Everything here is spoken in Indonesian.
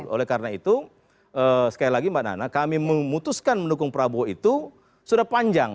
oleh karena itu sekali lagi mbak nana kami memutuskan mendukung prabowo itu sudah panjang